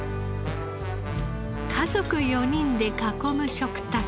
家族４人で囲む食卓。